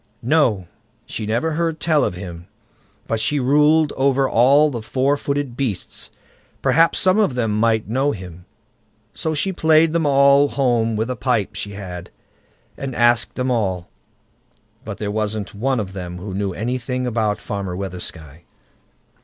"No! she never heard tell of him, but she ruled over all the four footed beasts; perhaps some of them might know him." So she played them all home with a pipe she had, and asked them all, but there wasn't one of them who knew anything about Farmer Weathersky.